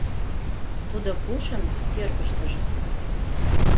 Тудо пушын кӧргыштыжӧ